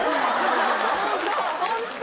ホント！